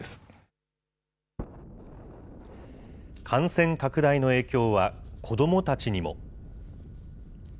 感染拡大の影響は子どもたちにも。